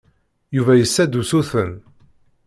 Yuba yessa-d usuten.